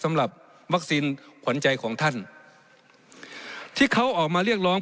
สำหรับวัคซีนขวัญใจของท่านที่เขาออกมาเรียกร้อง